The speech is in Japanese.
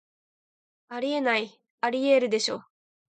あり得ない、アリエールでしょ